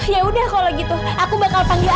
yaudah kalau gitu aku bakal panggil aksan